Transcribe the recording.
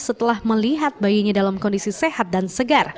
setelah melihat bayinya dalam kondisi sehat dan segar